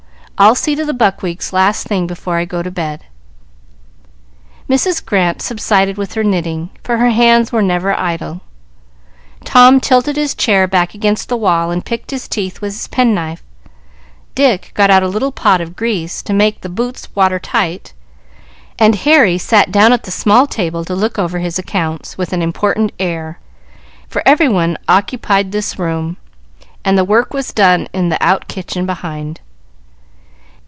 I'll see to the buckwheats last thing before I go to bed." Mrs. Grant subsided with her knitting, for her hands were never idle; Tom tilted his chair back against the wall and picked his teeth with his pen knife; Dick got out a little pot of grease, to make the boots water tight; and Harry sat down at the small table to look over his accounts, with an important air, for every one occupied this room, and the work was done in the out kitchen behind.